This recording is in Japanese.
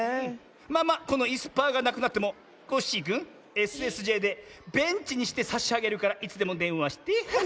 まあまあこのいすパーがなくなってもコッシーくんＳＳＪでベンチにしてさしあげるからいつでもでんわして。